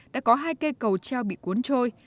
đã có hai cây cầu treo bị cuốn trôi